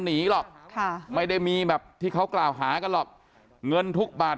หนีหรอกค่ะไม่ได้มีแบบที่เขากล่าวหากันหรอกเงินทุกบาท